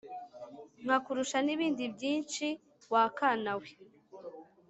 Nkakurusha n'ibindi byinshi wa kana we